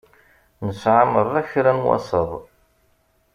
Nesεa merra kra n wasaḍ.